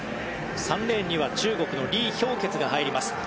３レーンには、中国のリ・ヒョウケツが入ります。